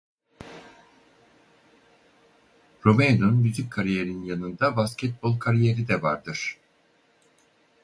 Romeo'nun müzik kariyerinin yanında basketbol kariyeri de vardır.